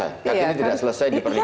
kartini tidak selesai dipernikahkan